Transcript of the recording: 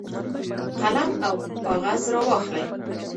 قلم او کاغذ راواخلئ.